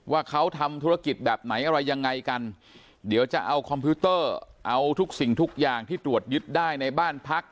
ว่าเขาทำธุรกิจแบบไหนอะไรยังไงกันเดี๋ยวจะเอาคอมพิวเตอร์เอาทุกสิ่งทุกอย่างที่ตรวจยึดได้ในบ้านพัก